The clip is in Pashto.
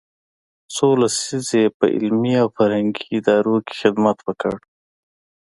څو لسیزې یې په علمي او فرهنګي ادارو کې خدمت وکړ.